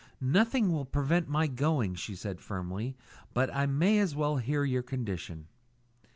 "Nothing will prevent my going," she said firmly; "but I may as well hear your condition."